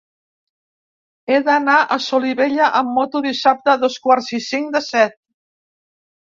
He d'anar a Solivella amb moto dissabte a dos quarts i cinc de set.